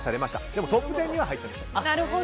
でもトップテンには入ってない。